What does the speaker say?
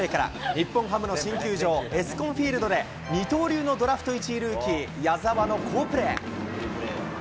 日本ハムの新球場、エスコンフィールドで二刀流のドラフト１位ルーキー、矢澤の好プレー。